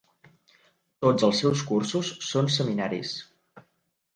Tots els seus cursos són seminaris.